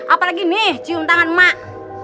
apalagi nih cium tangan mak